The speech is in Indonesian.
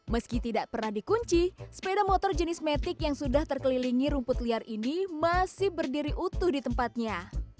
meski tidak pernah dikunci sepeda motor jenis matic yang sudah terkelilingi rumput liar ini masih berdiri utuh di tempatnya